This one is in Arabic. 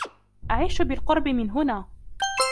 أعيش بالقرب من هنا.